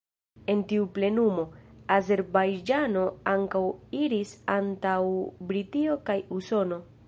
En tiu plenumo, Azerbajĝano ankaŭ iris antaŭ Britio kaj Usono.